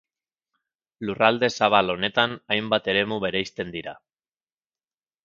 Lurralde zabal honetan, hainbat eremu bereizten dira.